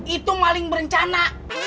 itu maling berencana